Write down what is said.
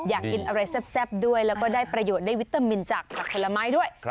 อยากกินอะไรแซ่บด้วยแล้วก็ได้ประโยชน์ได้วิตามินจากผักผลไม้ด้วย